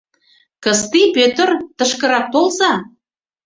Кысти, Пӧтыр, тышкырак толза.